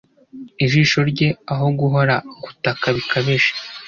Ijisho rye aho guhora gutaka bikabije